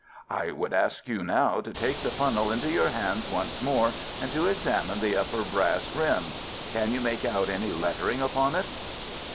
"I would ask you now to take the funnel into your hands once more and to examine the upper brass rim. Can you make out any lettering upon it?"